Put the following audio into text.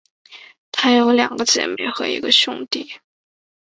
她有两个姐妹和一个兄弟。